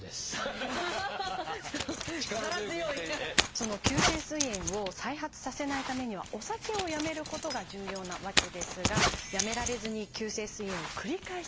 その急性すい炎を再発させないためにはお酒をやめることが重要なわけですがやめられずに急性すい炎を繰り返してしまうケースもあります。